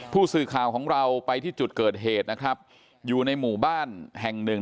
ผู้สื่อข่าวของเราไปที่จุดเกิดเหตุนะครับอยู่ในหมู่บ้านแห่งหนึ่ง